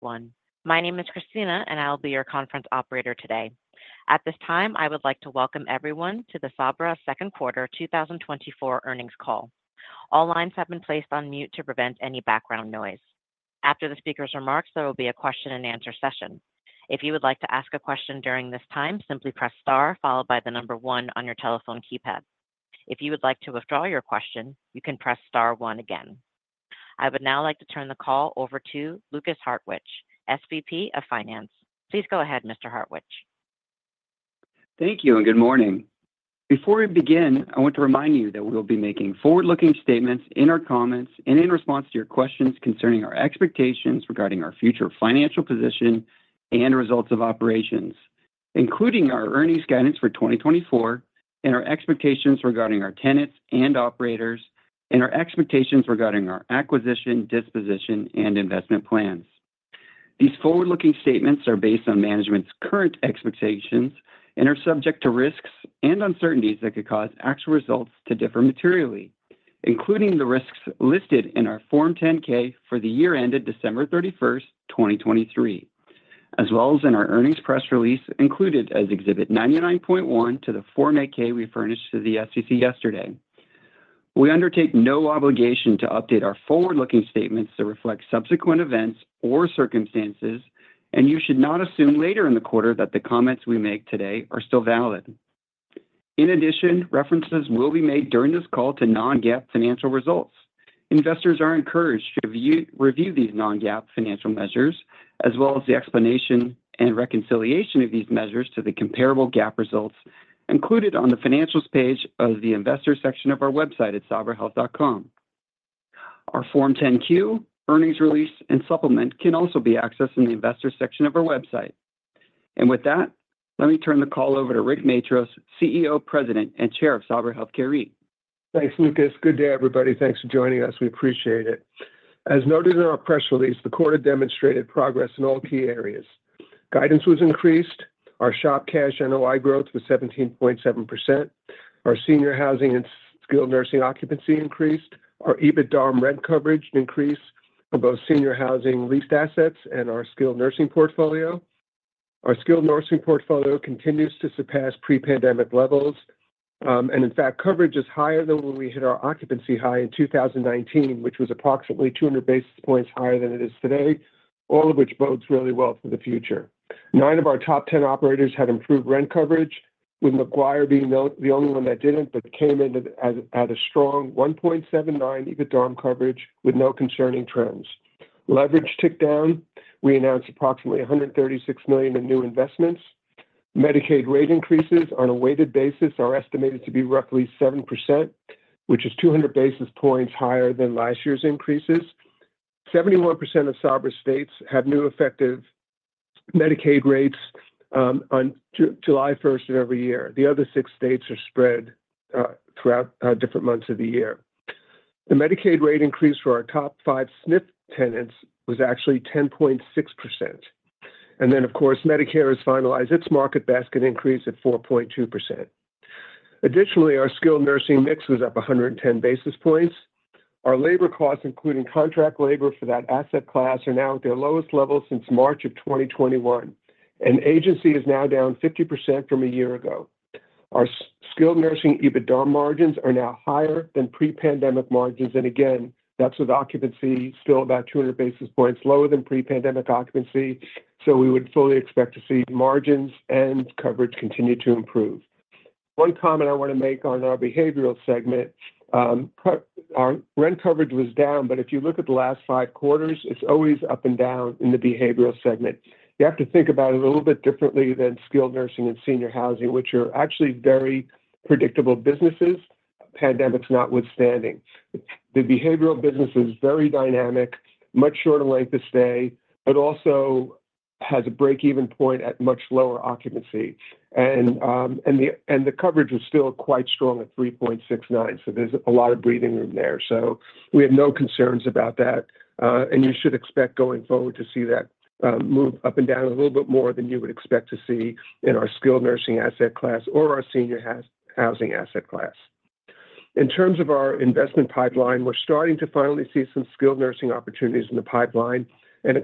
One. My name is Christina, and I'll be your conference operator today. At this time, I would like to welcome everyone to the Sabra Second Quarter 2024 Earnings Call. All lines have been placed on mute to prevent any background noise. After the speaker's remarks, there will be a question and answer session. If you would like to ask a question during this time, simply press star, followed by the number one on your telephone keypad. If you would like to withdraw your question, you can press star one again. I would now like to turn the call over to Lukas Hartwich, SVP of Finance. Please go ahead, Mr. Hartwich. Thank you, and good morning. Before we begin, I want to remind you that we'll be making forward-looking statements in our comments and in response to your questions concerning our expectations regarding our future financial position and results of operations, including our earnings guidance for 2024, and our expectations regarding our tenants and operators, and our expectations regarding our acquisition, disposition, and investment plans. These forward-looking statements are based on management's current expectations and are subject to risks and uncertainties that could cause actual results to differ materially, including the risks listed in our Form 10-K for the year ended December 31, 2023, as well as in our earnings press release, included as Exhibit 99.1 to the Form 8-K we furnished to the SEC yesterday. We undertake no obligation to update our forward-looking statements that reflect subsequent events or circumstances, and you should not assume later in the quarter that the comments we make today are still valid. In addition, references will be made during this call to non-GAAP financial results. Investors are encouraged to review these non-GAAP financial measures, as well as the explanation and reconciliation of these measures to the comparable GAAP results included on the financials page of the investor section of our website at sabrahealth.com. Our Form 10-Q, earnings release, and supplement can also be accessed in the investor section of our website. And with that, let me turn the call over to Rick Matros, CEO, President, and Chair of Sabra Health Care REIT. Thanks, Lukas. Good day, everybody. Thanks for joining us. We appreciate it. As noted in our press release, the quarter demonstrated progress in all key areas. Guidance was increased. Our SHOP cash NOI growth was 17.7%. Our senior housing and skilled nursing occupancy increased. Our EBITDA and rent coverage increased on both senior housing leased assets and our skilled nursing portfolio. Our skilled nursing portfolio continues to surpass pre-pandemic levels. And in fact, coverage is higher than when we hit our occupancy high in 2019, which was approximately 200 basis points higher than it is today, all of which bodes really well for the future. Nine of our top 10 operators had improved rent coverage, with McGuire being the only one that didn't, but came in at a strong 1.79 EBITDA coverage with no concerning trends. Leverage ticked down. We announced approximately $136 million in new investments. Medicaid rate increases on a weighted basis are estimated to be roughly 7%, which is 200 basis points higher than last year's increases. 71% of Sabra states have new effective Medicaid rates on July first of every year. The other six states are spread throughout different months of the year. The Medicaid rate increase for our top five SNF tenants was actually 10.6%. And then, of course, Medicare has finalized its market basket increase at 4.2%. Additionally, our skilled nursing mix was up 110 basis points. Our labor costs, including contract labor for that asset class, are now at their lowest level since March of 2021, and agency is now down 50% from a year ago. Our skilled nursing EBITDA margins are now higher than pre-pandemic margins, and again, that's with occupancy still about 200 basis points lower than pre-pandemic occupancy. So we would fully expect to see margins and coverage continue to improve. One comment I wanna make on our Behavioral segment, our rent coverage was down, but if you look at the last five quarters, it's always up and down in the Behavioral segment. You have to think about it a little bit differently than skilled nursing and senior housing, which are actually very predictable businesses, pandemics notwithstanding. The Behavioral business is very dynamic, much shorter length of stay, but also has a break-even point at much lower occupancy. And the coverage is still quite strong at 3.69%, so there's a lot of breathing room there. So we have no concerns about that, and you should expect going forward to see that move up and down a little bit more than you would expect to see in our skilled nursing asset class or our senior housing asset class. In terms of our investment pipeline, we're starting to finally see some skilled nursing opportunities in the pipeline and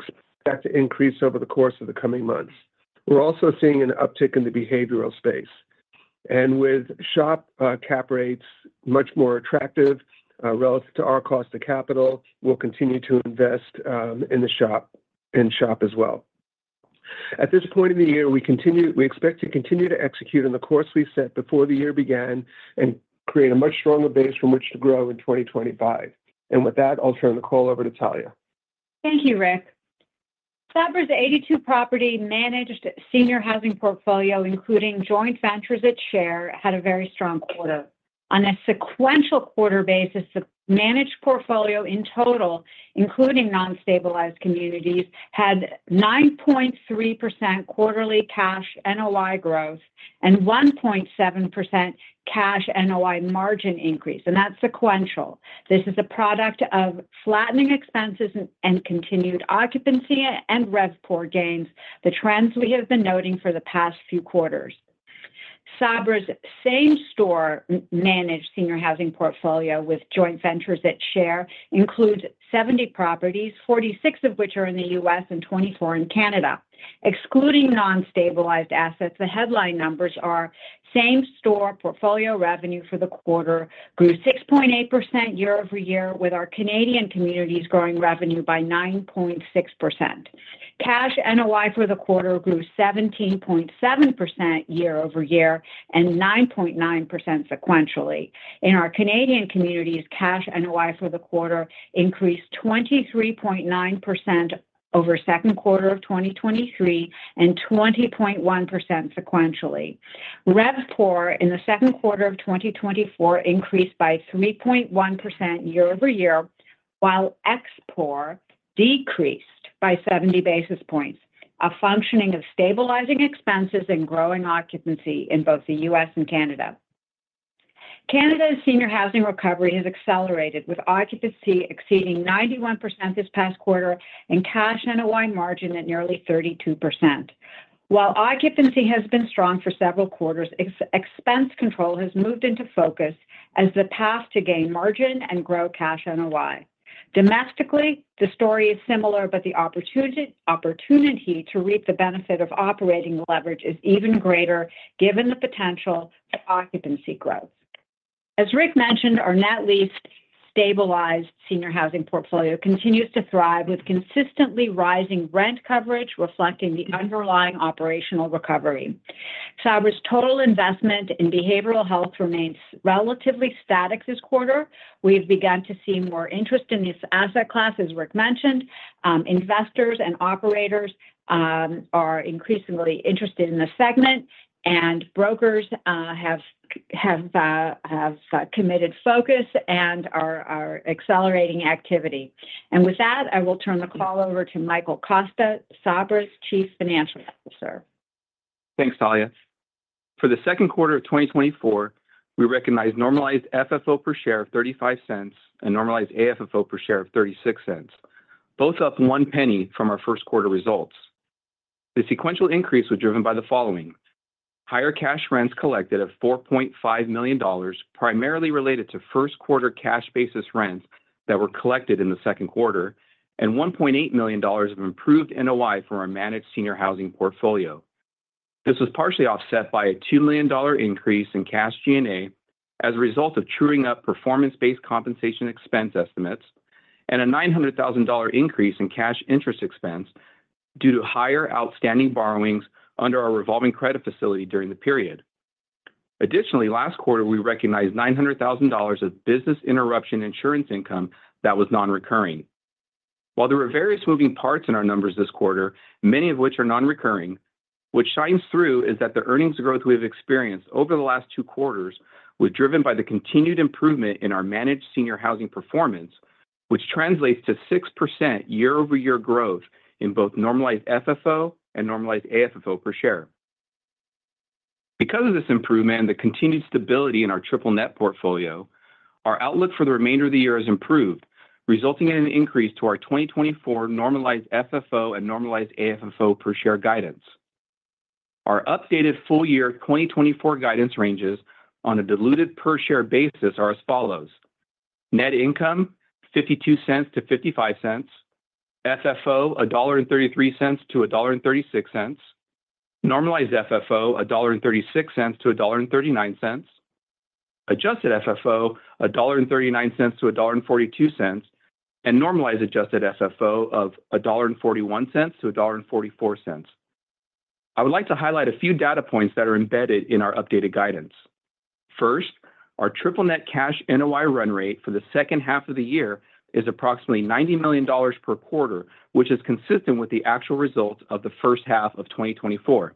expect to increase over the course of the coming months. We're also seeing an uptick in the behavioral space, and with SHOP cap rates much more attractive relative to our cost of capital, we'll continue to invest in the SHOP, in SHOP as well. At this point in the year, we expect to continue to execute on the course we set before the year began and create a much stronger base from which to grow in 2025. With that, I'll turn the call over to Talya. Thank you, Rick. Sabra's 82-property managed senior housing portfolio, including joint ventures at share, had a very strong quarter. On a sequential quarter basis, the managed portfolio in total, including non-stabilized communities, had 9.3% quarterly cash NOI growth and 1.7% cash NOI margin increase, and that's sequential. This is a product of flattening expenses and continued occupancy and RevPOR gains, the trends we have been noting for the past few quarters.... Sabra's same-store managed senior housing portfolio with joint ventures at share includes 70 properties, 46 of which are in the U.S. and 24 in Canada. Excluding non-stabilized assets, the headline numbers are same-store portfolio revenue for the quarter grew 6.8% year-over-year, with our Canadian communities growing revenue by 9.6%. Cash NOI for the quarter grew 17.7% year-over-year, and 9.9% sequentially. In our Canadian communities, cash NOI for the quarter increased 23.9% over second quarter of 2023, and 20.1% sequentially. RevPOR in the second quarter of 2024 increased by 3.1% year-over-year, while ExPOR decreased by 70 basis points, a function of stabilizing expenses and growing occupancy in both the US and Canada. Canada's senior housing recovery has accelerated, with occupancy exceeding 91% this past quarter and cash NOI margin at nearly 32%. While occupancy has been strong for several quarters, expense control has moved into focus as the path to gain margin and grow cash NOI. Domestically, the story is similar, but the opportunity to reap the benefit of operating leverage is even greater given the potential of occupancy growth. As Rick mentioned, our net leased stabilized senior housing portfolio continues to thrive, with consistently rising rent coverage reflecting the underlying operational recovery. Sabra's total investment in behavioral health remains relatively static this quarter. We've begun to see more interest in this asset class, as Rick mentioned. Investors and operators are increasingly interested in the segment, and brokers have committed focus and are accelerating activity. With that, I will turn the call over to Michael Costa, Sabra's Chief Financial Officer. Thanks, Talya. For the second quarter of 2024, we recognized normalized FFO per share of $0.35 and normalized AFFO per share of $0.36, both up $0.01 from our first quarter results. The sequential increase was driven by the following: higher cash rents collected of $4.5 million, primarily related to first quarter cash basis rents that were collected in the second quarter, and $1.8 million of improved NOI from our managed senior housing portfolio. This was partially offset by a $2 million increase in cash G&A as a result of truing up performance-based compensation expense estimates and a $900,000 increase in cash interest expense due to higher outstanding borrowings under our revolving credit facility during the period. Additionally, last quarter, we recognized $900,000 of business interruption insurance income that was non-recurring. While there were various moving parts in our numbers this quarter, many of which are non-recurring, which shines through, is that the earnings growth we've experienced over the last two quarters was driven by the continued improvement in our managed senior housing performance, which translates to 6% year-over-year growth in both normalized FFO and normalized AFFO per share. Because of this improvement and the continued stability in our triple-net portfolio, our outlook for the remainder of the year has improved, resulting in an increase to our 2024 normalized FFO and normalized AFFO per share guidance. Our updated full year 2024 guidance ranges on a diluted per share basis are as follows: net income $0.52-$0.55, FFO $1.33-$1.36, Normalized FFO $1.36-$1.39, Adjusted FFO $1.39-$1.42, and Normalized Adjusted FFO $1.41-$1.44. I would like to highlight a few data points that are embedded in our updated guidance. First, our triple-net cash NOI run rate for the second half of the year is approximately $90 million per quarter, which is consistent with the actual results of the first half of 2024.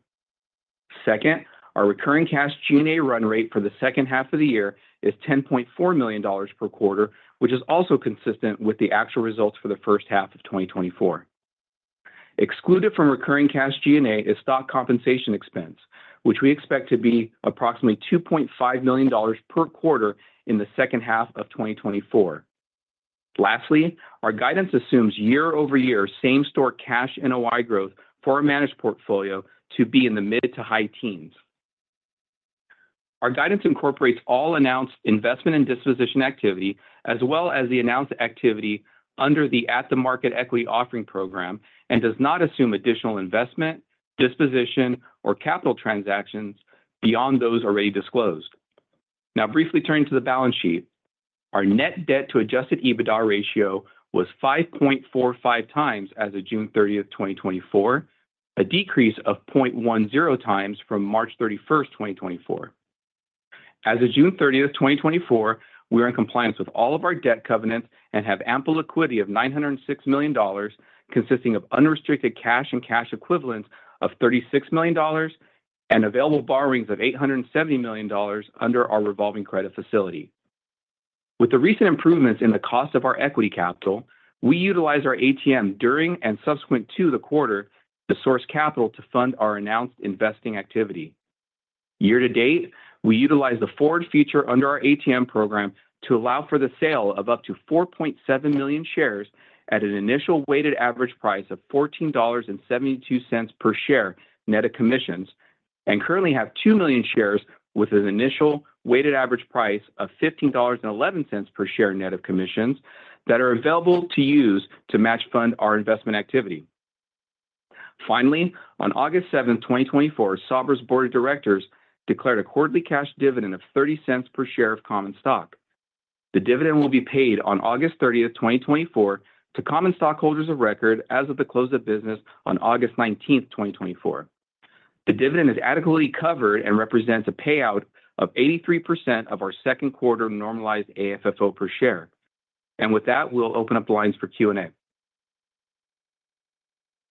Second, our recurring cash G&A run rate for the second half of the year is $10.4 million per quarter, which is also consistent with the actual results for the first half of 2024. Excluded from recurring cash G&A is stock compensation expense, which we expect to be approximately $2.5 million per quarter in the second half of 2024. Lastly, our guidance assumes year-over-year same-store cash NOI growth for our managed portfolio to be in the mid-to-high teens. Our guidance incorporates all announced investment and disposition activity, as well as the announced activity under the at-the-market equity offering program, and does not assume additional investment, disposition, or capital transactions beyond those already disclosed. Now, briefly turning to the balance sheet. Our net debt to Adjusted EBITDA ratio was 5.45x as of June 30, 2024, a decrease of 0.10x from March 31, 2024. As of June 30, 2024, we are in compliance with all of our debt covenants and have ample liquidity of $906 million, consisting of unrestricted cash and cash equivalents of $36 million and available borrowings of $870 million under our revolving credit facility. With the recent improvements in the cost of our equity capital, we utilized our ATM during and subsequent to the quarter to source capital to fund our announced investing activity. Year to date, we utilized the forward feature under our ATM program to allow for the sale of up to 4.7 million shares at an initial weighted average price of $14.72 per share, net of commissions, and currently have 2 million shares with an initial weighted average price of $15.11 per share, net of commissions, that are available to use to match fund our investment activity. Finally, on August 7, 2024, Sabra's board of directors declared a quarterly cash dividend of $0.30 per share of common stock. The dividend will be paid on August 30, 2024, to common stockholders of record as of the close of business on August 19, 2024. The dividend is adequately covered and represents a payout of 83% of our second quarter normalized AFFO per share. With that, we'll open up the lines for Q&A.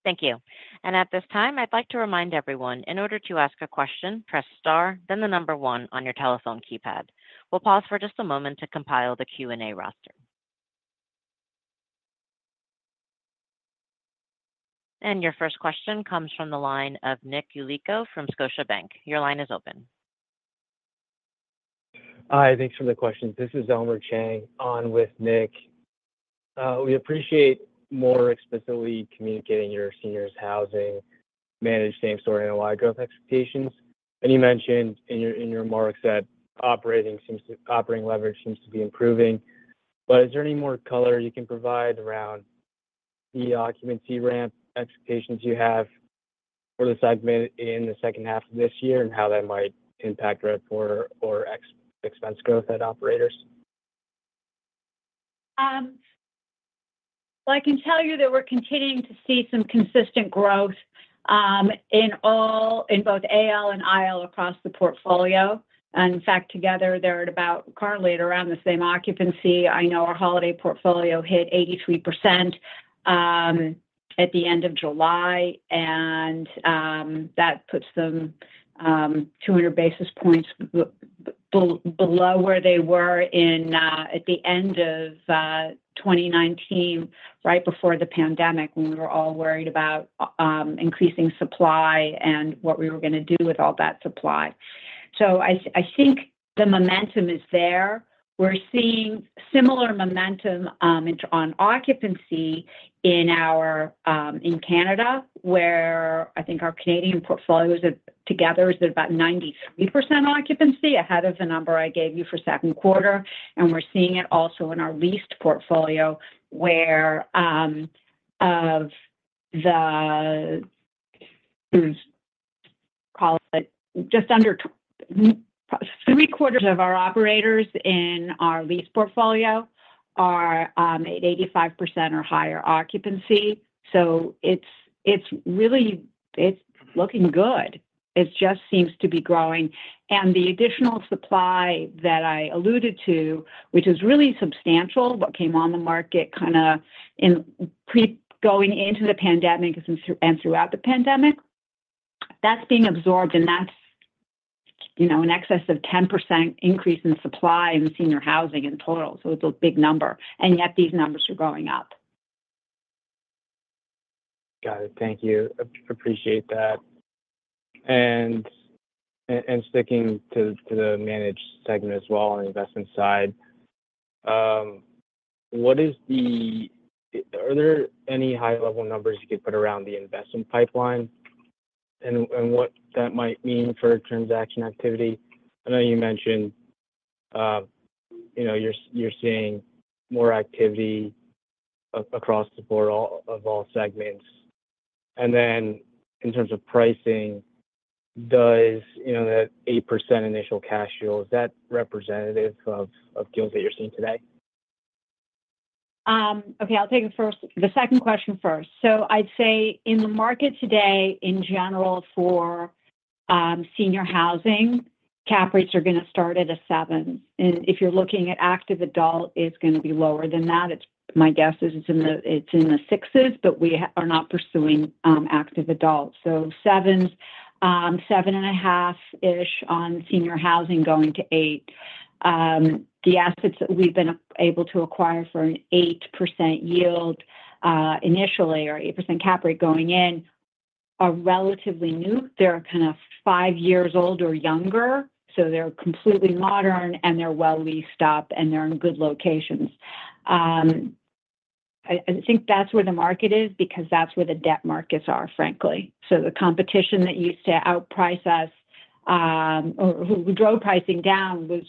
Thank you. At this time, I'd like to remind everyone, in order to ask a question, press Star, then the number one on your telephone keypad. We'll pause for just a moment to compile the Q&A roster. Your first question comes from the line of Nick Yulico from Scotiabank. Your line is open. Hi, thanks for the questions. This is Elmer Chang on with Nick. We appreciate more explicitly communicating your seniors housing managed same store and ROI growth expectations. You mentioned in your remarks that operating leverage seems to be improving, but is there any more color you can provide around the occupancy ramp expectations you have for the segment in the second half of this year, and how that might impact RevPOR or ExPOR expense growth at operators? Well, I can tell you that we're continuing to see some consistent growth in both AL and IL across the portfolio. And in fact, together, they're at about currently at around the same occupancy. I know our Holiday portfolio hit 83% at the end of July, and that puts them 200 basis points below where they were in at the end of 2019, right before the pandemic, when we were all worried about increasing supply and what we were gonna do with all that supply. So I think the momentum is there. We're seeing similar momentum on occupancy in our in Canada, where I think our Canadian portfolios have together is at about 93% occupancy, ahead of the number I gave you for second quarter. And we're seeing it also in our leased portfolio, where of the call it just under three-quarters of our operators in our lease portfolio are at 85% or higher occupancy. So it's really looking good. It just seems to be growing. And the additional supply that I alluded to, which is really substantial, what came on the market, kinda going into the pandemic and through and throughout the pandemic, that's being absorbed, and that's you know in excess of 10% increase in supply in senior housing in total. So it's a big number, and yet these numbers are going up. Got it. Thank you. Appreciate that. And sticking to the managed segment as well, on the investment side, what is the... Are there any high-level numbers you could put around the investment pipeline and what that might mean for transaction activity? I know you mentioned, you know, you're seeing more activity across the board, all of all segments. And then in terms of pricing, do you know that 8% initial cash yield, is that representative of deals that you're seeing today? Okay, I'll take the second question first. So I'd say in the market today, in general, for senior housing, cap rates are gonna start at seven. And if you're looking at active adult, it's gonna be lower than that. It's my guess is, it's in the sixes, but we are not pursuing active adults. So sevens, 7.5-ish on senior housing, going to eight. The assets that we've been able to acquire for an 8% yield initially or 8% cap rate going in are relatively new. They're kind of five years old or younger, so they're completely modern, and they're well leased up, and they're in good locations. I think that's where the market is because that's where the debt markets are, frankly. So the competition that used to outprice us, or who drove pricing down, was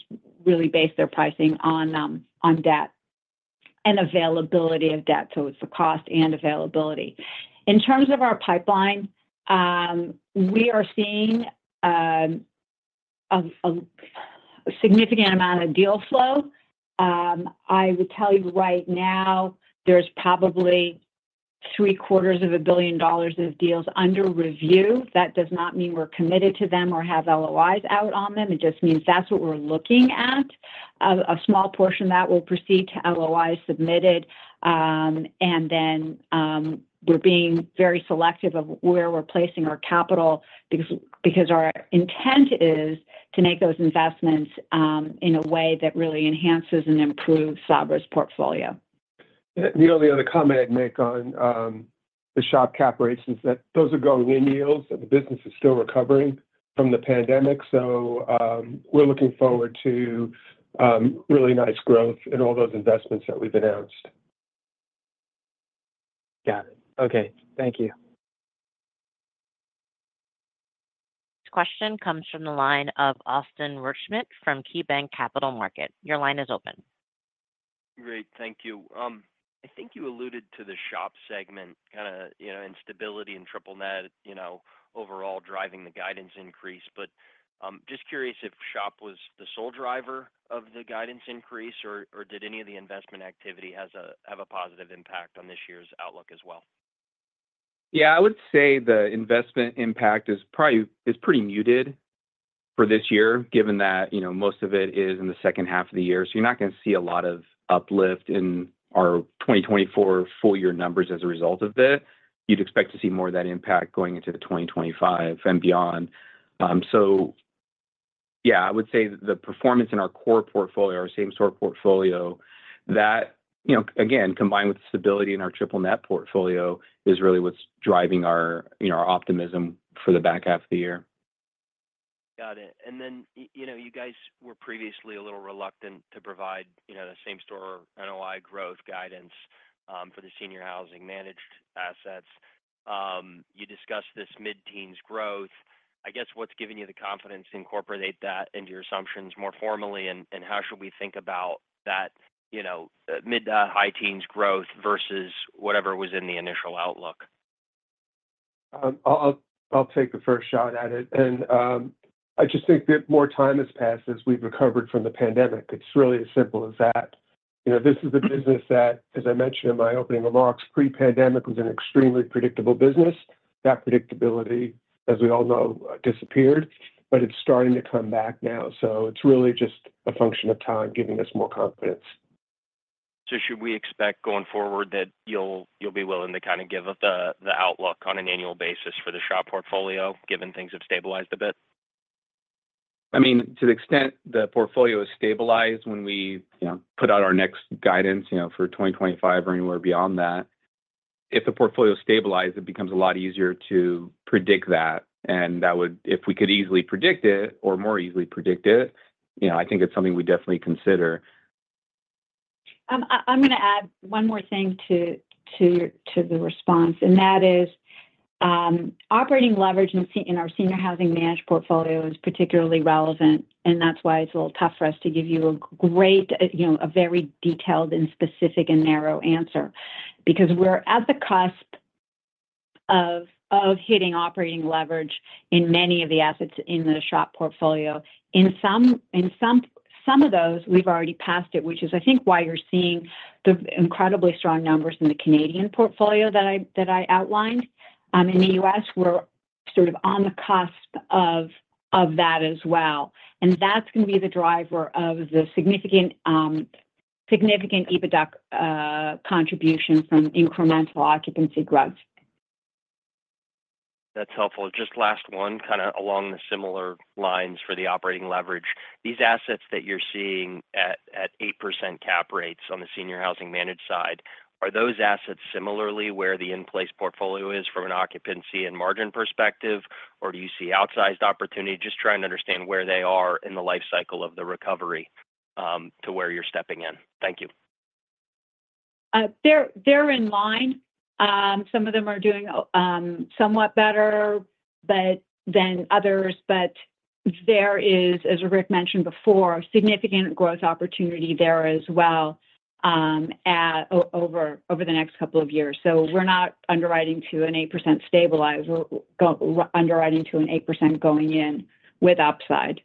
really based their pricing on, on debt and availability of debt. So it's the cost and availability. In terms of our pipeline, we are seeing a significant amount of deal flow. I would tell you right now, there's probably $750 million of deals under review. That does not mean we're committed to them or have LOIs out on them. It just means that's what we're looking at. A small portion that will proceed to LOI submitted, and then, we're being very selective of where we're placing our capital, because, because our intent is to make those investments, in a way that really enhances and improves Sabra's portfolio. The only other comment I'd make on the SHOP cap rates is that those are going-in yields, and the business is still recovering from the pandemic. So, we're looking forward to really nice growth in all those investments that we've announced.... Got it. Okay, thank you. Question comes from the line of Austin Wurschmidt from KeyBanc Capital Markets. Your line is open. Great. Thank you. I think you alluded to the SHOP segment, kinda, you know, in stability and triple net, you know, overall driving the guidance increase. But, just curious if SHOP was the sole driver of the guidance increase, or did any of the investment activity have a positive impact on this year's outlook as well? Yeah, I would say the investment impact is probably, is pretty muted for this year, given that, you know, most of it is in the second half of the year. So you're not gonna see a lot of uplift in our 2024 full year numbers as a result of this. You'd expect to see more of that impact going into the 2025 and beyond. So yeah, I would say the performance in our core portfolio, our same store portfolio, that, you know, again, combined with stability in our triple net portfolio, is really what's driving our, you know, our optimism for the back half of the year. Got it. And then, you know, you guys were previously a little reluctant to provide, you know, the same store NOI growth guidance, for the senior housing managed assets. You discussed this mid-teens growth. I guess, what's giving you the confidence to incorporate that into your assumptions more formally? And how should we think about that, you know, mid- to high-teens growth versus whatever was in the initial outlook? I'll take the first shot at it. I just think that more time has passed as we've recovered from the pandemic. It's really as simple as that. You know, this is a business that, as I mentioned in my opening remarks, pre-pandemic, was an extremely predictable business. That predictability, as we all know, disappeared, but it's starting to come back now. So it's really just a function of time giving us more confidence. So should we expect, going forward, that you'll, you'll be willing to kinda give up the, the outlook on an annual basis for the SHOP portfolio, given things have stabilized a bit? I mean, to the extent the portfolio is stabilized when we, you know, put out our next guidance, you know, for 2025 or anywhere beyond that. If the portfolio is stabilized, it becomes a lot easier to predict that. And that would. If we could easily predict it or more easily predict it, you know, I think it's something we'd definitely consider. I'm gonna add one more thing to the response, and that is, operating leverage in our senior housing managed portfolio is particularly relevant, and that's why it's a little tough for us to give you a great, you know, a very detailed and specific and narrow answer. Because we're at the cusp of hitting operating leverage in many of the assets in the SHOP portfolio. In some of those we've already passed it, which is I think why you're seeing the incredibly strong numbers in the Canadian portfolio that I outlined. In the U.S., we're sort of on the cusp of that as well, and that's gonna be the driver of the significant EBITDA contribution from incremental occupancy growth. That's helpful. Just last one, kinda along the similar lines for the operating leverage. These assets that you're seeing at 8% cap rates on the senior housing managed side, are those assets similarly where the in-place portfolio is from an occupancy and margin perspective, or do you see outsized opportunity? Just trying to understand where they are in the life cycle of the recovery, to where you're stepping in. Thank you. They're in line. Some of them are doing somewhat better than others. But there is, as Rick mentioned before, significant growth opportunity there as well, over the next couple of years. So we're not underwriting to an 8% stabilizer. We're underwriting to an 8% going in with upside.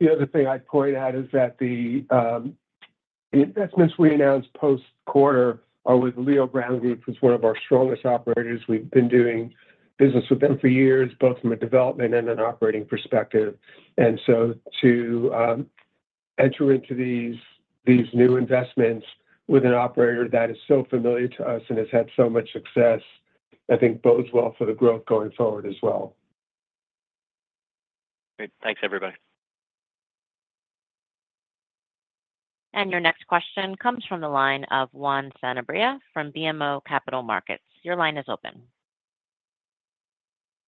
The other thing I'd point out is that the investments we announced post-quarter are with Leo Brown Group, who's one of our strongest operators. We've been doing business with them for years, both from a development and an operating perspective. And so to enter into these, these new investments with an operator that is so familiar to us and has had so much success, I think bodes well for the growth going forward as well. Great. Thanks, everybody. Your next question comes from the line of Juan Sanabria from BMO Capital Markets. Your line is open.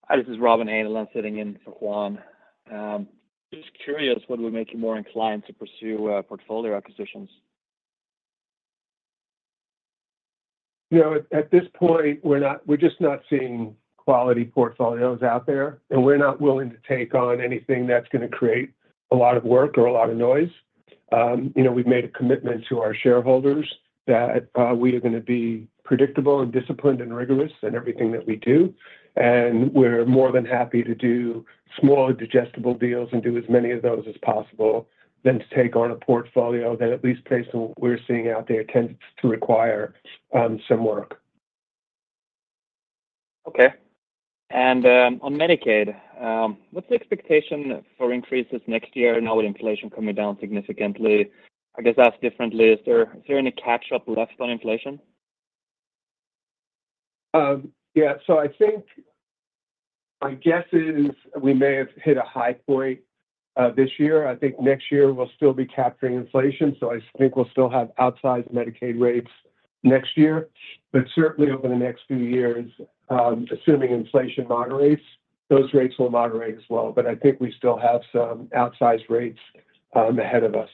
Hi, this is Robin Handel, sitting in for Juan. Just curious, what would make you more inclined to pursue portfolio acquisitions? You know, at this point, we're just not seeing quality portfolios out there, and we're not willing to take on anything that's gonna create a lot of work or a lot of noise. You know, we've made a commitment to our shareholders that we are gonna be predictable and disciplined and rigorous in everything that we do. And we're more than happy to do smaller digestible deals and do as many of those as possible, than to take on a portfolio that at least based on what we're seeing out there, tends to require some work. Okay. And, on Medicaid, what's the expectation for increases next year now with inflation coming down significantly? I guess, asked differently, is there, is there any catch-up left on inflation? Yeah. So I think my guess is we may have hit a high point, this year. I think next year we'll still be capturing inflation, so I think we'll still have outsized Medicaid rates next year. But certainly over the next few years, assuming inflation moderates, those rates will moderate as well. But I think we still have some outsized rates, ahead of us....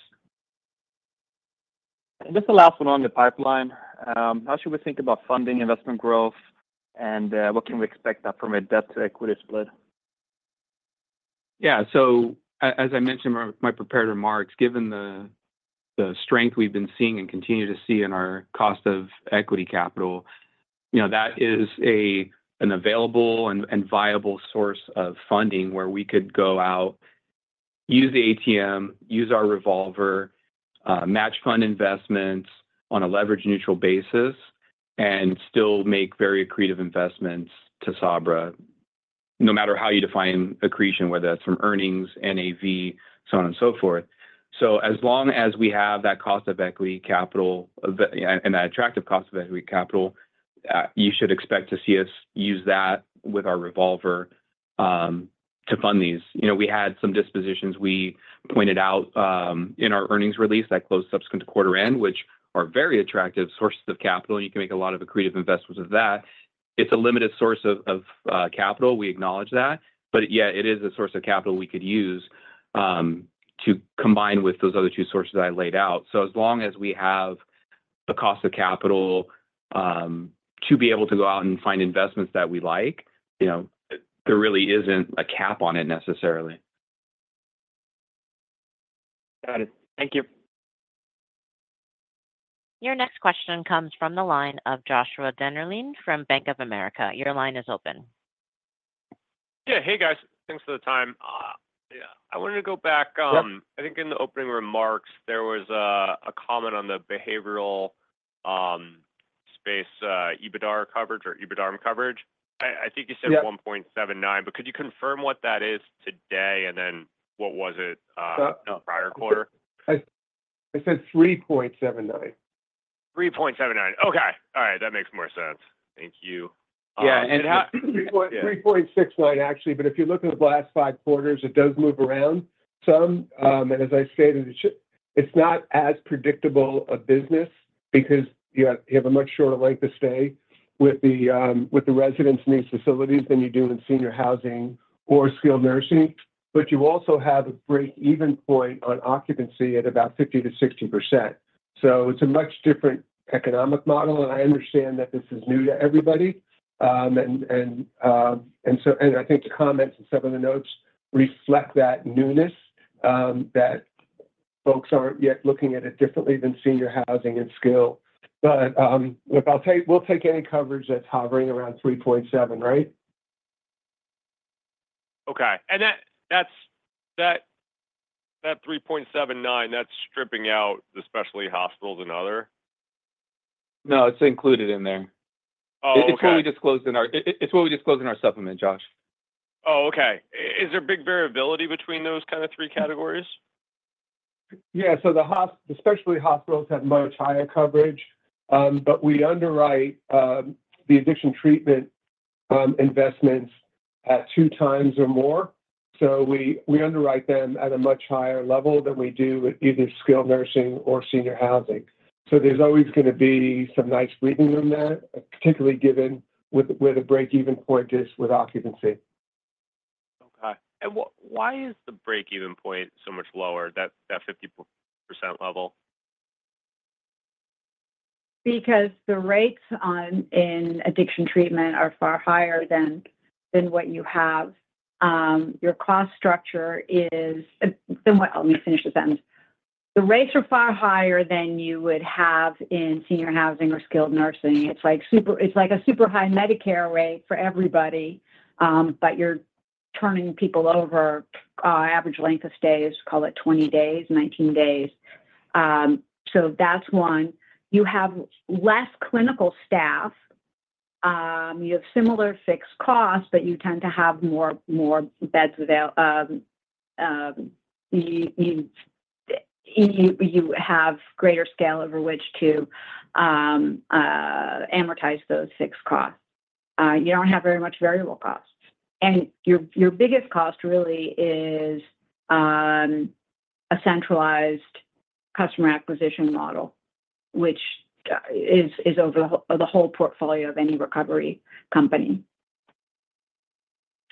And just the last one on the pipeline. How should we think about funding investment growth, and, what can we expect that from a debt to equity split? Yeah. So as I mentioned in my prepared remarks, given the strength we've been seeing and continue to see in our cost of equity capital, you know, that is an available and viable source of funding where we could go out, use the ATM, use our revolver, match fund investments on a leverage neutral basis, and still make very accretive investments to Sabra, no matter how you define accretion, whether that's from earnings, NAV, so on and so forth. So as long as we have that cost of equity capital, and that attractive cost of equity capital, you should expect to see us use that with our revolver, to fund these. You know, we had some dispositions we pointed out in our earnings release that closed subsequent to quarter end, which are very attractive sources of capital, and you can make a lot of accretive investments of that. It's a limited source of capital, we acknowledge that, but yet it is a source of capital we could use to combine with those other two sources that I laid out. So as long as we have the cost of capital to be able to go out and find investments that we like, you know, there really isn't a cap on it necessarily. Got it. Thank you. Your next question comes from the line of Joshua Dennerlein from Bank of America. Your line is open. Yeah. Hey, guys. Thanks for the time. Yeah, I wanted to go back, Yep... I think in the opening remarks, there was a comment on the Behavioral space, EBITDA coverage or EBITDA coverage. I think you said- Yeah... 1.79, but could you confirm what that is today? And then what was it, prior quarter? I said 3.79. 3.79. Okay. All right, that makes more sense. Thank you. Yeah, and how- 3.369, actually, but if you look at the last five quarters, it does move around some. And as I stated, it's not as predictable a business because you have, you have a much shorter length of stay with the residents in these facilities than you do in senior housing or skilled nursing. But you also have a break-even point on occupancy at about 50%-60%. So it's a much different economic model, and I understand that this is new to everybody. And so, and I think the comments and some of the notes reflect that newness, that folks aren't yet looking at it differently than senior housing and skilled. But look, I'll take—we'll take any coverage that's hovering around 3.7, right? Okay. And that 3.79, that's stripping out the specialty hospitals and other? No, it's included in there. Oh, okay. It's what we disclosed in our supplement, Josh. Oh, okay. Is there big variability between those kind of three categories? Yeah. So the specialty hospitals have much higher coverage, but we underwrite the addiction treatment investments at 2x or more. So we underwrite them at a much higher level than we do with either skilled nursing or senior housing. So there's always gonna be some nice breathing room there, particularly given where the break-even point is with occupancy. Okay. And why is the break-even point so much lower, that, that 50% level? Because the rates on in addiction treatment are far higher than what you have. Your cost structure is... Then what-- Let me finish the sentence. The rates are far higher than you would have in senior housing or skilled nursing. It's like super-- It's like a super high Medicare rate for everybody, but you're turning people over. Average length of stay is, call it 20 days, 19 days. So that's one. You have less clinical staff. You have similar fixed costs, but you tend to have more, more beds without you have greater scale over which to amortize those fixed costs. You don't have very much variable costs. And your biggest cost really is a centralized customer acquisition model, which is over the whole portfolio of any recovery company.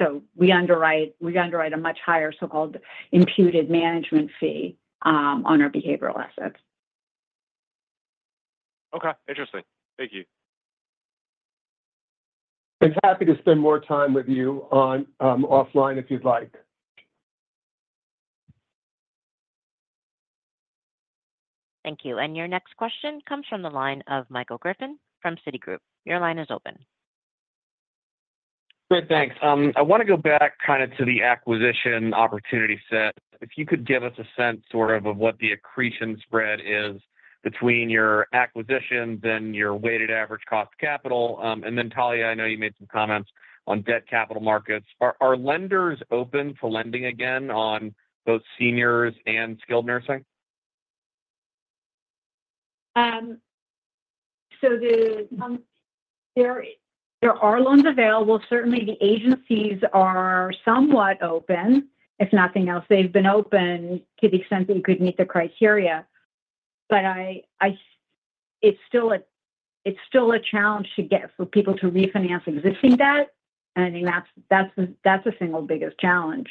So we underwrite, we underwrite a much higher, so-called imputed management fee, on our behavioral assets. Okay. Interesting. Thank you. Happy to spend more time with you on offline, if you'd like. Thank you. And your next question comes from the line of Michael Griffin from Citigroup. Your line is open. Great, thanks. I wanna go back kind of to the acquisition opportunity set. If you could give us a sense, sort of, of what the accretion spread is between your acquisitions and your weighted average cost of capital. And then, Talia, I know you made some comments on debt capital markets. Are lenders open to lending again on both seniors and skilled nursing? So there are loans available. Certainly, the agencies are somewhat open. If nothing else, they've been open to the extent that you could meet the criteria. But it's still a challenge to get for people to refinance existing debt, and I think that's the single biggest challenge,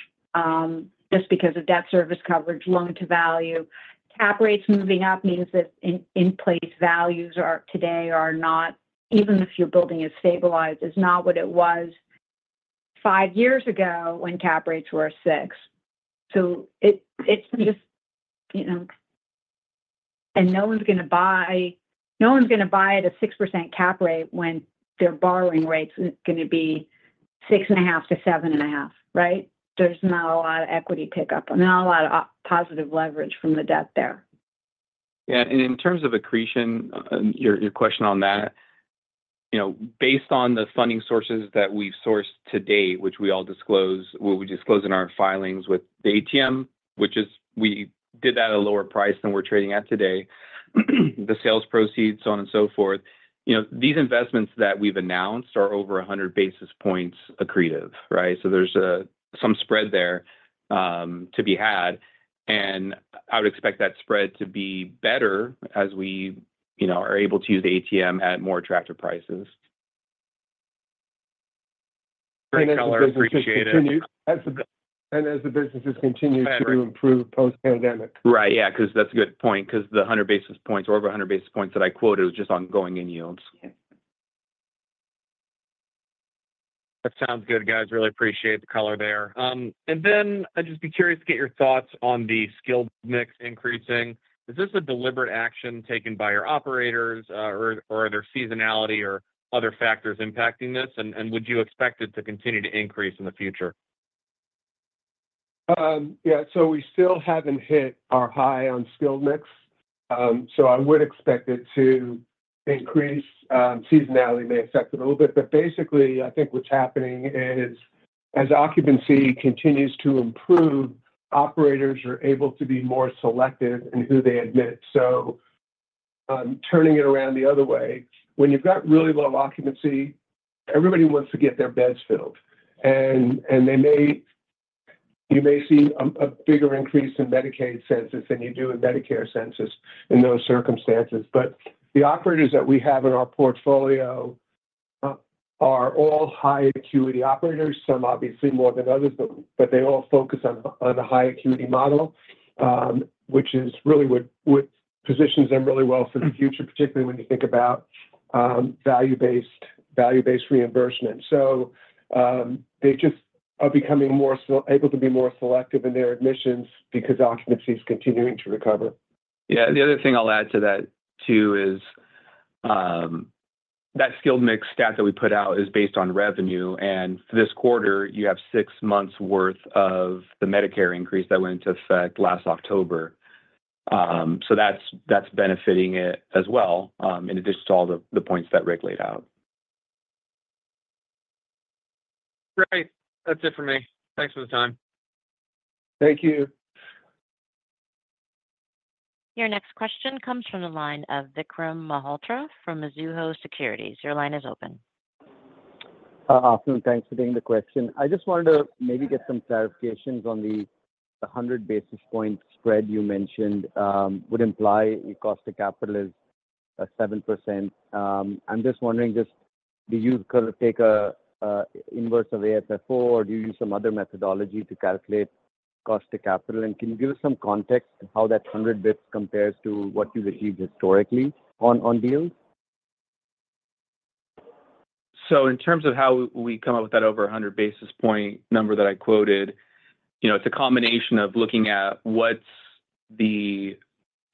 just because of debt service coverage, loan-to-value. Cap rates moving up means that in-place values today are not, even if your building is stabilized, what it was five years ago when cap rates were six. So it's just, you know. And no one's gonna buy at a 6% cap rate when their borrowing rate's gonna be 6.5-7.5, right? There's not a lot of equity pickup, not a lot of positive leverage from the debt there. Yeah, in terms of accretion, your question on that, you know, based on the funding sources that we've sourced to date, which we all disclose, what we disclose in our filings with the ATM, which is we did that at a lower price than we're trading at today, the sales proceeds, so on and so forth. You know, these investments that we've announced are over 100 basis points accretive, right? So there's some spread there to be had, and I would expect that spread to be better as we, you know, are able to use ATM at more attractive prices. Great color, appreciate it. As the businesses continue to improve post-pandemic. Right. Yeah, 'cause that's a good point, 'cause the 100 basis points, over a 100 basis points that I quoted was just on going-in yields. That sounds good, guys. Really appreciate the color there. And then I'd just be curious to get your thoughts on the skilled mix increasing. Is this a deliberate action taken by your operators, or are there seasonality or other factors impacting this, and would you expect it to continue to increase in the future? Yeah, so we still haven't hit our high on skilled mix. So I would expect it to increase. Seasonality may affect it a little bit, but basically, I think what's happening is, as occupancy continues to improve, operators are able to be more selective in who they admit. So, turning it around the other way, when you've got really low occupancy, everybody wants to get their beds filled. And they may—you may see a bigger increase in Medicaid census than you do in Medicare census in those circumstances. But the operators that we have in our portfolio are all high-acuity operators. Some obviously more than others, but they all focus on the high-acuity model, which is really what positions them really well for the future, particularly when you think about value-based reimbursement. So, they just are becoming more able to be more selective in their admissions because occupancy is continuing to recover. Yeah, the other thing I'll add to that, too, is that skilled mix stat that we put out is based on revenue, and for this quarter, you have six months' worth of the Medicare increase that went into effect last October. So that's benefiting it as well in addition to all the points that Rick laid out. Great! That's it for me. Thanks for the time. Thank you. Your next question comes from the line of Vikram Malhotra from Mizuho Securities. Your line is open. Afternoon. Thanks for taking the question. I just wanted to maybe get some clarifications on the 100 basis points spread you mentioned, would imply your cost to capital is 7%. I'm just wondering, just do you kind of take an inverse of AFFO, or do you use some other methodology to calculate cost to capital? And can you give us some context on how that 100 basis points compares to what you've achieved historically on deals? So in terms of how we come up with that over 100 basis point number that I quoted, you know, it's a combination of looking at what's the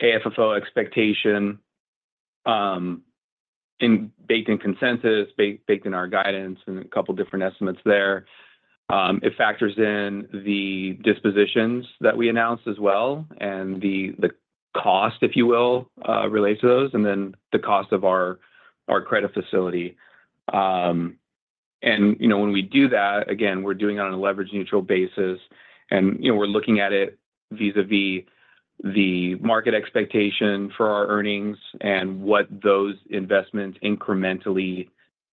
AFFO expectation, in baked in consensus, baked in our guidance, and a couple different estimates there. It factors in the dispositions that we announced as well, and the, the cost, if you will, related to those, and then the cost of our, our credit facility. And, you know, when we do that, again, we're doing it on a leverage-neutral basis and, you know, we're looking at it vis-a-vis the market expectation for our earnings and what those investments incrementally,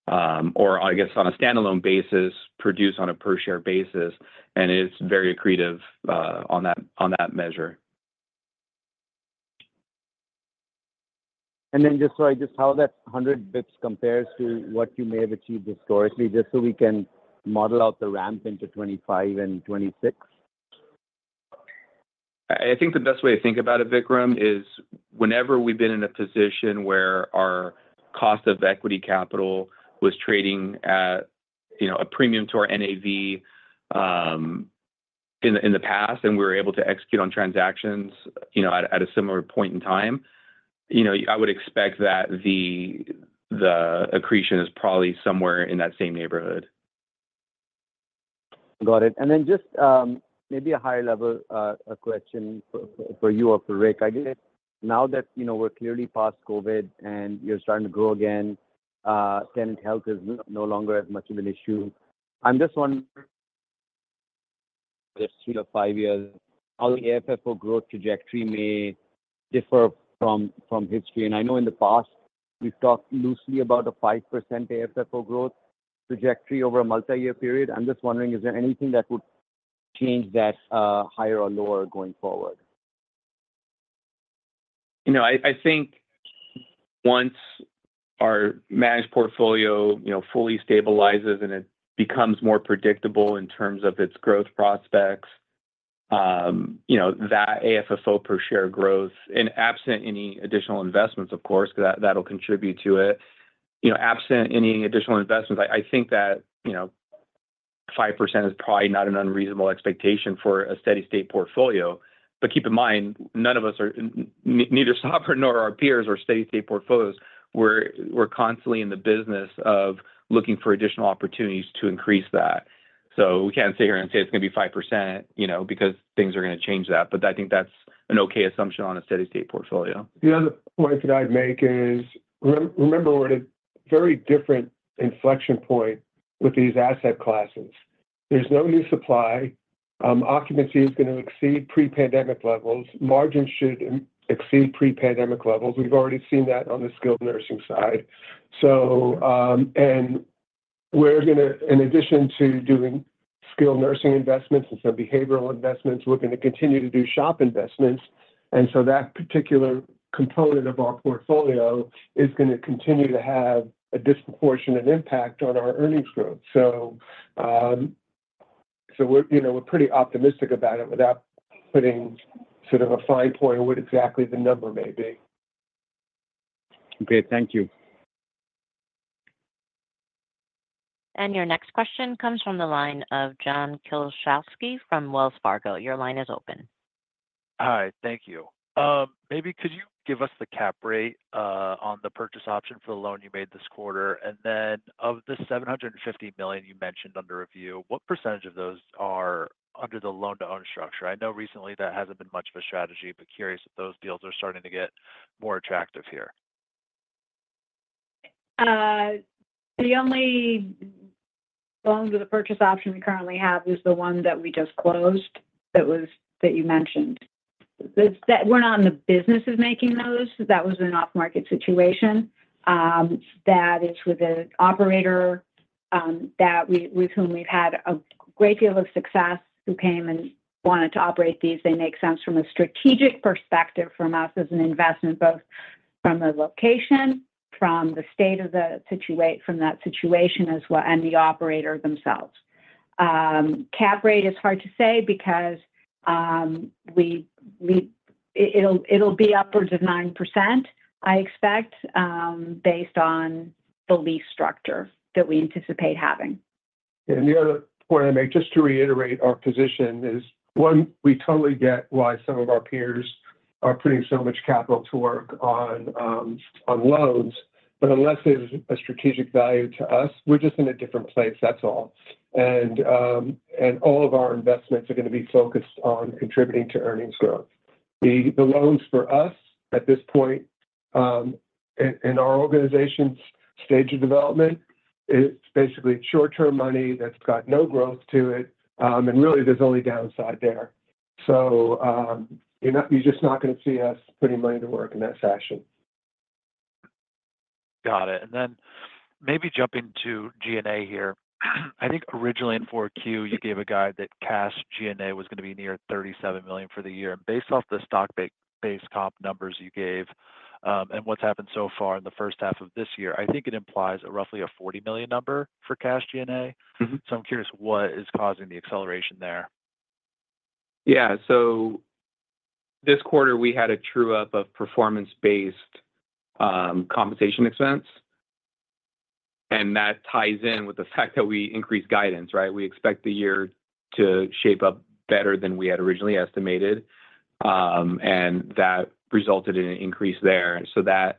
or I guess, on a standalone basis, produce on a per-share basis, and it's very accretive, on that, on that measure. Then just how that 100 basis points compares to what you may have achieved historically, just so we can model out the ramp into 2025 and 2026. I think the best way to think about it, Vikram, is whenever we've been in a position where our cost of equity capital was trading at, you know, a premium to our NAV, in the past, and we were able to execute on transactions, you know, at a similar point in time, you know, I would expect that the accretion is probably somewhere in that same neighborhood. Got it. And then just, maybe a higher level, question for, for you or for Rick. I guess, now that, you know, we're clearly past COVID, and you're starting to grow again, tenant health is no longer as much of an issue, I'm just wondering... Just three to five years, how the AFFO growth trajectory may differ from, from history. And I know in the past, we've talked loosely about a 5% AFFO growth trajectory over a multi-year period. I'm just wondering, is there anything that would change that, higher or lower going forward? You know, I think once our managed portfolio, you know, fully stabilizes and it becomes more predictable in terms of its growth prospects, you know, that AFFO per share growth and absent any additional investments, of course, that'll contribute to it. You know, absent any additional investments, I think that, you know, 5% is probably not an unreasonable expectation for a steady state portfolio. But keep in mind, neither Sabra nor our peers are steady state portfolios, we're constantly in the business of looking for additional opportunities to increase that. So we can't sit here and say it's gonna be 5%, you know, because things are gonna change that. But I think that's an okay assumption on a steady state portfolio. The other point that I'd make is, remember, we're at a very different inflection point with these asset classes. There's no new supply. Occupancy is gonna exceed pre-pandemic levels. Margins should exceed pre-pandemic levels. We've already seen that on the skilled nursing side. So, and we're gonna, in addition to doing skilled nursing investments and some behavioral investments, we're gonna continue to do shop investments. And so that particular component of our portfolio is gonna continue to have a disproportionate impact on our earnings growth. So, so we're, you know, we're pretty optimistic about it without putting sort of a fine point on what exactly the number may be. Okay, thank you. Your next question comes from the line of John Kilichowski from Wells Fargo. Your line is open. Hi, thank you. Maybe could you give us the cap rate on the purchase option for the loan you made this quarter? And then of the $750 million you mentioned under review, what percentage of those are under the loan-to-own structure? I know recently that hasn't been much of a strategy, but curious if those deals are starting to get more attractive here. The only loan with a purchase option we currently have is the one that we just closed, that was-- that you mentioned. This-- We're not in the business of making those. That was an off-market situation, that is with an operator, with whom we've had a great deal of success, who came and wanted to operate these. They make sense from a strategic perspective from us as an investment, both from the location, from the state of that situation as well, and the operator themselves. Cap rate is hard to say because, it'll be upwards of 9%, I expect, based on the lease structure that we anticipate having. And the other point I make, just to reiterate our position, is, one, we totally get why some of our peers are putting so much capital to work on loans, but unless there's a strategic value to us, we're just in a different place, that's all. And all of our investments are gonna be focused on contributing to earnings growth. The loans for us at this point, in our organization's stage of development, it's basically short-term money that's got no growth to it, and really there's only downside there. So, you're just not gonna see us putting money to work in that fashion. Got it. And then maybe jumping to G&A here. I think originally in Q4, you gave a guide that cash G&A was gonna be near $37 million for the year. And based off the stock based comp numbers you gave, and what's happened so far in the first half of this year, I think it implies a roughly a $40 million number for cash G&A. Mm-hmm. I'm curious what is causing the acceleration there? Yeah, so this quarter, we had a true up of performance-based compensation expense, and that ties in with the fact that we increased guidance, right? We expect the year to shape up better than we had originally estimated, and that resulted in an increase there. So that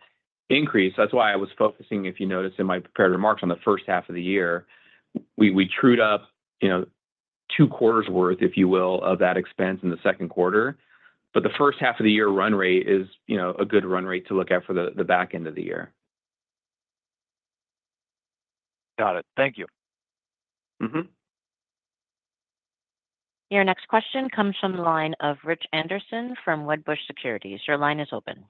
increase, that's why I was focusing, if you noticed in my prepared remarks, on the first half of the year. We, we trued up, you know, two quarters worth, if you will, of that expense in the second quarter. But the first half of the year run rate is, you know, a good run rate to look at for the, the back end of the year. Got it. Thank you. Mm-hmm. Your next question comes from the line of Rich Anderson from Wedbush Securities. Your line is open.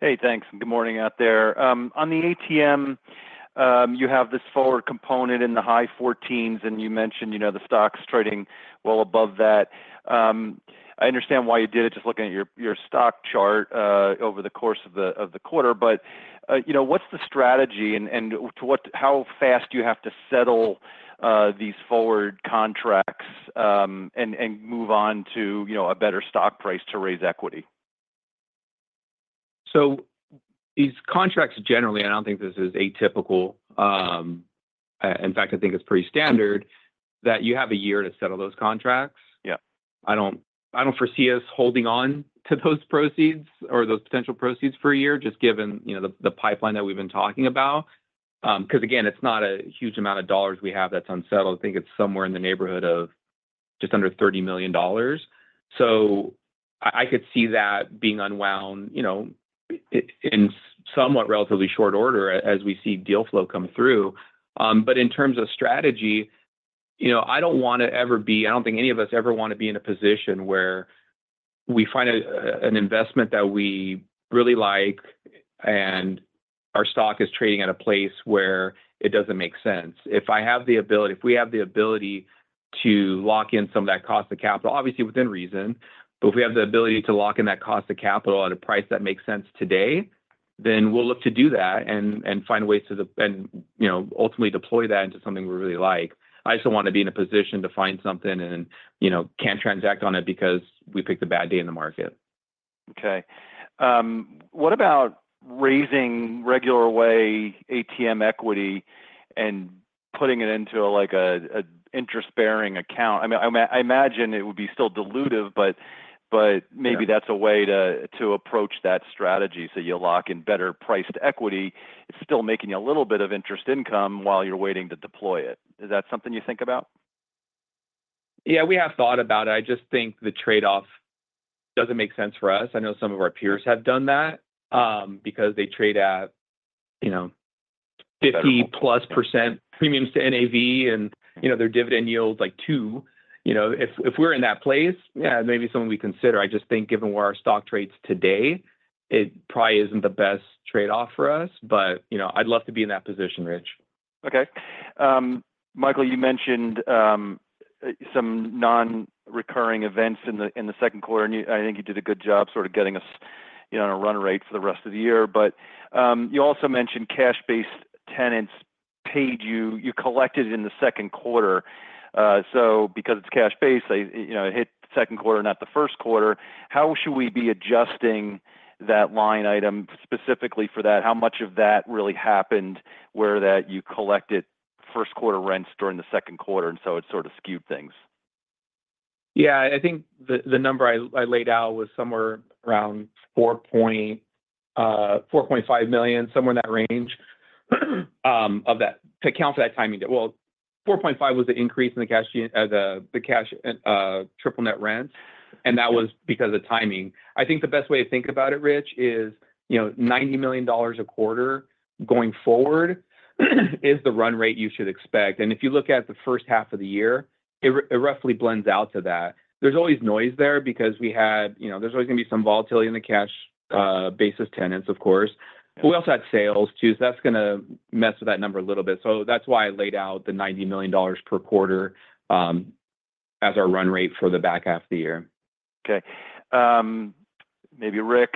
Hey, thanks, and good morning out there. On the ATM, you have this forward component in the high 14s, and you mentioned, you know, the stock's trading well above that. I understand why you did it, just looking at your stock chart over the course of the quarter. But, you know, what's the strategy and, and to what- how fast do you have to settle these forward contracts, and, and move on to, you know, a better stock price to raise equity? So these contracts, generally, and I don't think this is atypical, in fact, I think it's pretty standard, that you have a year to settle those contracts. Yeah. I don't foresee us holding on to those proceeds or those potential proceeds for a year, just given, you know, the pipeline that we've been talking about. 'Cause again, it's not a huge amount of dollars we have that's unsettled. I think it's somewhere in the neighborhood of just under $30 million. So I could see that being unwound, you know, in somewhat relatively short order as we see deal flow come through. But in terms of strategy, you know, I don't want to ever be... I don't think any of us ever want to be in a position where we find an investment that we really like, and our stock is trading at a place where it doesn't make sense. If we have the ability to lock in some of that cost of capital, obviously within reason, but if we have the ability to lock in that cost of capital at a price that makes sense today, then we'll look to do that and find ways to, and you know, ultimately deploy that into something we really like. I just don't want to be in a position to find something and, you know, can't transact on it because we picked a bad day in the market. Okay. What about raising regular way ATM equity and putting it into, like, a interest-bearing account? I mean, I imagine it would be still dilutive, but- Yeah... maybe that's a way to approach that strategy, so you lock in better priced equity. It's still making you a little bit of interest income while you're waiting to deploy it. Is that something you think about? Yeah, we have thought about it. I just think the trade-off doesn't make sense for us. I know some of our peers have done that, because they trade at, you know- Better... 50%+ premiums to NAV, and, you know, their dividend yield is, like, 2%. You know, if, if we're in that place, yeah, it may be something we consider. I just think, given where our stock trades today, it probably isn't the best trade-off for us, but, you know, I'd love to be in that position, Rich. Okay. Michael, you mentioned some non-recurring events in the second quarter, and I think you did a good job sort of getting us, you know, on a run rate for the rest of the year. But you also mentioned cash-based tenants paid you, you collected in the second quarter. So because it's cash-based, I, you know, it hit the second quarter, not the first quarter. How should we be adjusting that line item specifically for that? How much of that really happened, where that you collected first quarter rents during the second quarter, and so it sort of skewed things? Yeah. I think the number I laid out was somewhere around four point five million, somewhere in that range of that to account for that timing. Well, four point five was the increase in the cash triple net rents, and that was because of timing. I think the best way to think about it, Rich, is, you know, $90 million a quarter going forward, is the run rate you should expect. And if you look at the first half of the year, it roughly blends out to that. There's always noise there because we had. You know, there's always gonna be some volatility in the cash basis tenants, of course. We also had sales, too, so that's gonna mess with that number a little bit. So that's why I laid out the $90 million per quarter as our run rate for the back half of the year. Okay. Maybe Rick,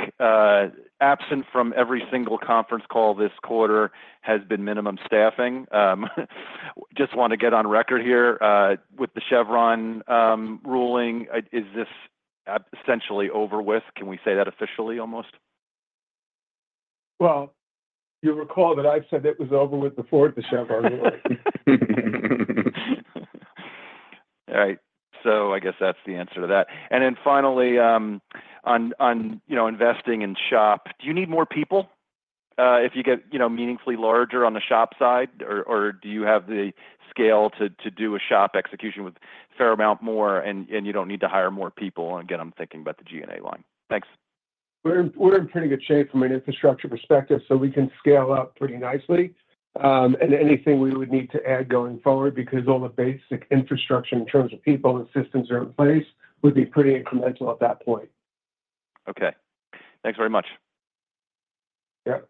absent from every single conference call this quarter has been minimum staffing. Just want to get on record here with the Chevron ruling. Is this essentially over with? Can we say that officially, almost? Well, you recall that I said it was over with before the Chevron ruling. All right, so I guess that's the answer to that. And then finally, on, on, you know, investing in SHOP, do you need more people, if you get, you know, meaningfully larger on the SHOP side? Or, or do you have the scale to, to do a SHOP execution with a fair amount more, and, and you don't need to hire more people and get them thinking about the G&A line? Thanks. We're in, we're in pretty good shape from an infrastructure perspective, so we can scale up pretty nicely. Anything we would need to add going forward, because all the basic infrastructure in terms of people and systems are in place, would be pretty incremental at that point. Okay. Thanks very much. Yep.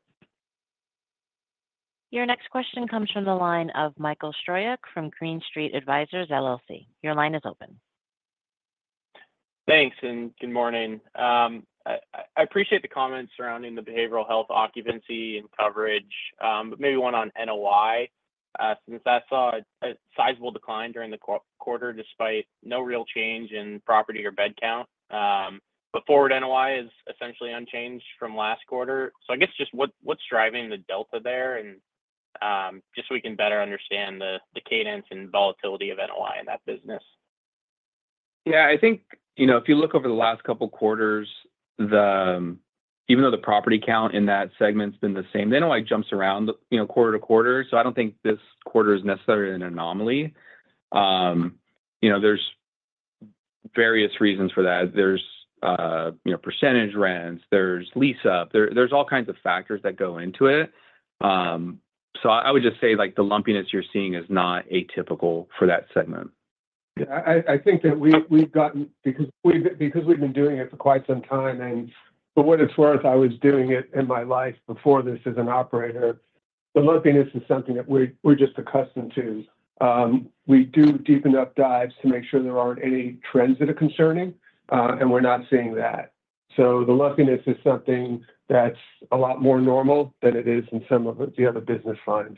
Your next question comes from the line of Michael Stroyeck from Green Street Advisors LLC. Your line is open. Thanks, and good morning. I appreciate the comments surrounding the behavioral health occupancy and coverage, but maybe one on NOI, since I saw a sizable decline during the quarter, despite no real change in property or bed count. But forward NOI is essentially unchanged from last quarter. So I guess just what's driving the delta there, and just so we can better understand the cadence and volatility of NOI in that business. Yeah, I think, you know, if you look over the last couple quarters, even though the property count in that segment's been the same, NOI jumps around, you know, quarter to quarter, so I don't think this quarter is necessarily an anomaly. You know, there's various reasons for that. There's, you know, percentage rents, there's lease up. There's all kinds of factors that go into it. So I would just say, like, the lumpiness you're seeing is not atypical for that segment. Yeah, I think that we've gotten, because we've been doing it for quite some time, and for what it's worth, I was doing it in my life before this as an operator. The lumpiness is something that we're just accustomed to. We do deep dives to make sure there aren't any trends that are concerning, and we're not seeing that. So the lumpiness is something that's a lot more normal than it is in some of the other business lines.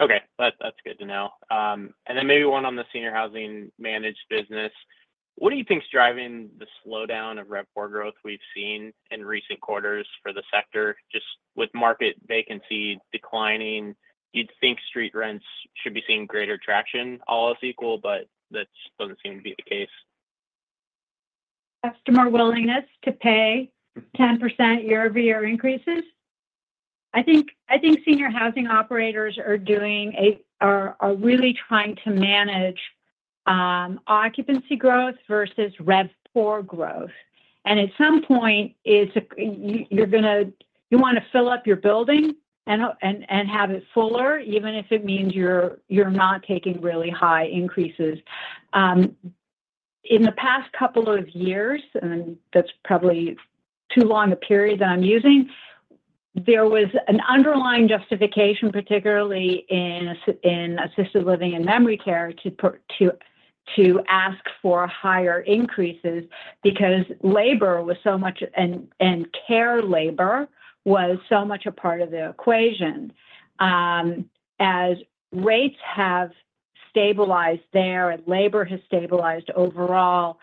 Okay, that's, that's good to know. And then maybe one on the senior housing managed business. What do you think is driving the slowdown of RevPOR growth we've seen in recent quarters for the sector? Just with market vacancy declining, you'd think street rents should be seeing greater traction, all else equal, but that doesn't seem to be the case. Customer willingness to pay 10% year-over-year increases. I think, I think senior housing operators are doing a, are, are really trying to manage occupancy growth versus RevPOR growth.... At some point, it's—you're gonna—you wanna fill up your building and have it fuller, even if it means you're not taking really high increases. In the past couple of years, and that's probably too long a period that I'm using, there was an underlying justification, particularly in assisted living and memory care, to ask for higher increases because labor was so much, and care labor was so much a part of the equation. As rates have stabilized there and labor has stabilized overall,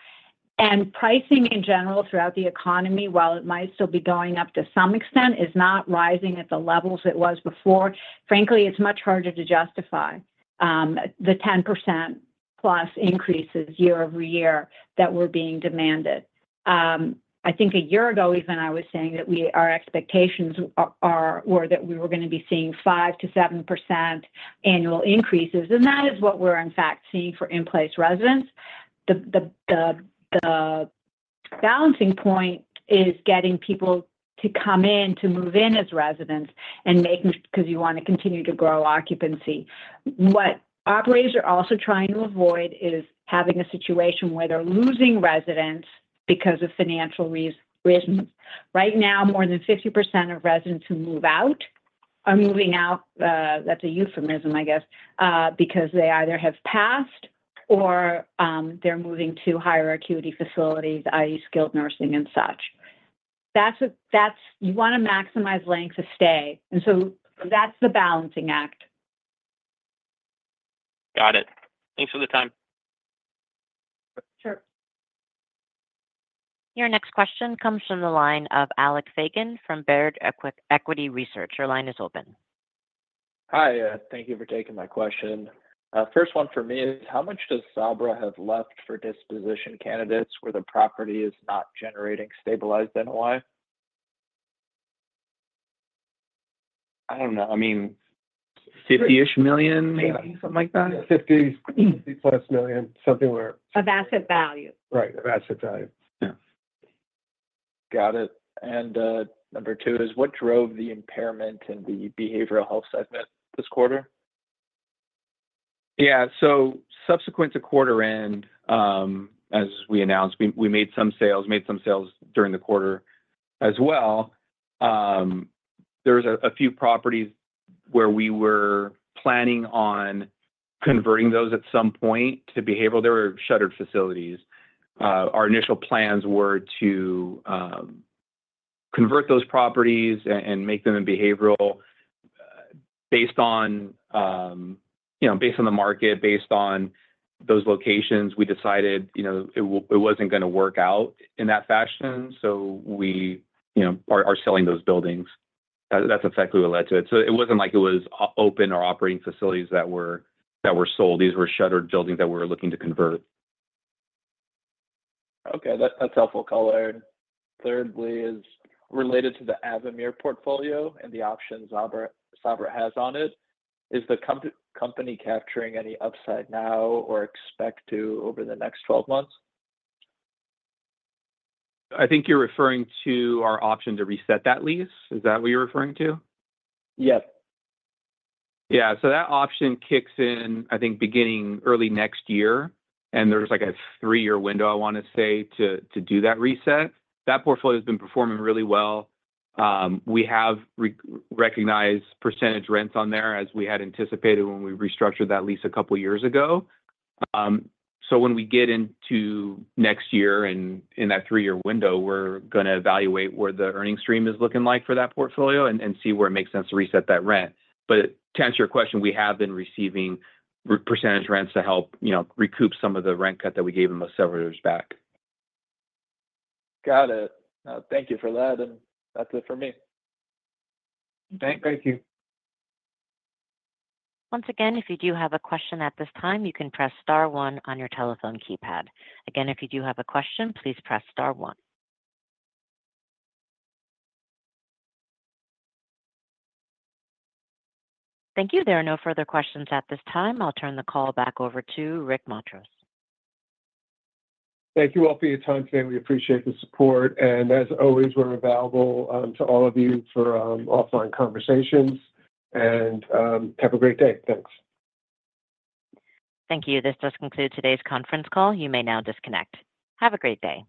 and pricing in general throughout the economy, while it might still be going up to some extent, is not rising at the levels it was before, frankly, it's much harder to justify the 10%+ increases year-over-year that were being demanded. I think a year ago, even I was saying that our expectations were that we were gonna be seeing 5%-7% annual increases, and that is what we're in fact seeing for in-place residents. The balancing point is getting people to come in, to move in as residents and making 'cause you wanna continue to grow occupancy. What operators are also trying to avoid is having a situation where they're losing residents because of financial reasons. Right now, more than 50% of residents who move out are moving out, that's a euphemism, I guess, because they either have passed or they're moving to higher acuity facilities, i.e., skilled nursing and such. That's what. That's... You wanna maximize length of stay, and so that's the balancing act. Got it. Thanks for the time. Sure. Your next question comes from the line of Alec Feygin from Baird Equity Research. Your line is open. Hi, thank you for taking my question. First one for me is, how much does Sabra have left for disposition candidates where the property is not generating stabilized NOI? I don't know. I mean, $50-ish million, maybe, something like that? 50, $50+ million, something where- Of asset value. Right, of asset value. Yeah. Got it. And, number two is: What drove the impairment in the Behavioral health segment this quarter? Yeah. So subsequent to quarter end, as we announced, we made some sales, made some sales during the quarter as well. There was a few properties where we were planning on converting those at some point to behavioral. They were shuttered facilities. Our initial plans were to convert those properties and make them in behavioral, based on, you know, based on the market, based on those locations, we decided, you know, it wasn't gonna work out in that fashion, so we, you know, are selling those buildings. That's exactly what led to it. So it wasn't like it was open or operating facilities that were sold. These were shuttered buildings that we were looking to convert. Okay, that's helpful color. Thirdly is related to the Avamere portfolio and the options Sabra has on it. Is the company capturing any upside now or expect to over the next 12 months? I think you're referring to our option to reset that lease. Is that what you're referring to? Yes. Yeah. So that option kicks in, I think, beginning early next year, and there's, like, a three-year window, I wanna say, to do that reset. That portfolio has been performing really well. We have re-recognized percentage rents on there, as we had anticipated when we restructured that lease a couple of years ago. So when we get into next year and in that three-year window, we're gonna evaluate where the earnings stream is looking like for that portfolio and see where it makes sense to reset that rent. But to answer your question, we have been receiving percentage rents to help, you know, recoup some of the rent cut that we gave them several years back. Got it. Thank you for that, and that's it for me. Thank you. Once again, if you do have a question at this time, you can press star one on your telephone keypad. Again, if you do have a question, please press star one. Thank you. There are no further questions at this time. I'll turn the call back over to Rick Matros. Thank you all for your time today. We appreciate the support. And as always, we're available to all of you for offline conversations. And have a great day. Thanks. Thank you. This does conclude today's conference call. You may now disconnect. Have a great day.